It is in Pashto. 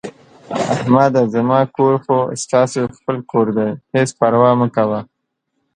احمده زما کور خو ستاسو خپل کور دی، هېڅ پروا مه کوه...